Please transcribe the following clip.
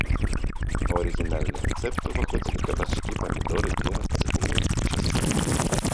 У арыгінальны рэцэпт ўваходзілі кабачкі, памідоры, перац, цыбуля і часнок.